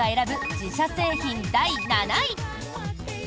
自社製品第７位。